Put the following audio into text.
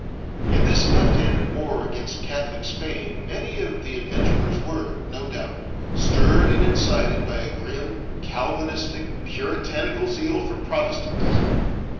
In this left handed war against Catholic Spain many of the adventurers were, no doubt, stirred and incited by a grim, Calvinistic, puritanical zeal for Protestantism.